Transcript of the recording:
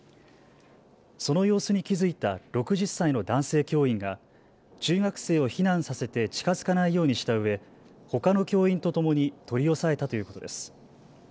その様子に気付いた６０歳の男性教員が中学生を避難させて近づかないようにしたうえほかの教員とともに取り押さえたということです。